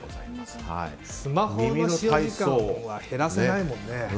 スマホの使用時間は減らせないもんね。